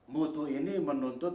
mutu ini menuntut